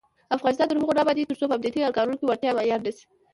افغانستان تر هغو نه ابادیږي، ترڅو په امنیتي ارګانونو کې وړتیا معیار نشي.